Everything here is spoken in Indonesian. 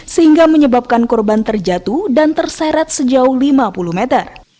sehingga menyebabkan korban terjatuh dan terseret sejauh lima puluh meter